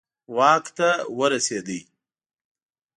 واک ته ورسېدي.